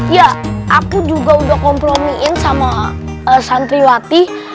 ya aku juga udah kompromiin sama santriwati